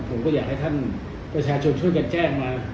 ผมก็อยากให้ท่านประชาชนช่วยกันแจ้งมา